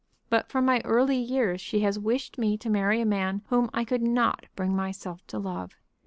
But from my early years she has wished me to marry a man whom I could not bring myself to love.